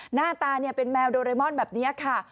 หน้าตาเป็นแมวโดเรมอนแบบนี้ค่ะ